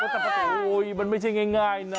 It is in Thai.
โอ้โฮมันไม่ใช่ง่ายนะ